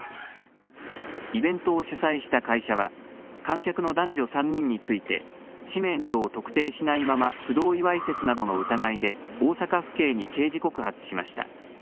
イベントを主催した会社は、観客の男女３人について、氏名などを特定しないまま、不同意わいせつなどの疑いで、大阪府警に刑事告発しました。